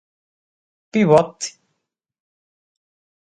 Pivote.